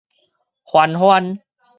番番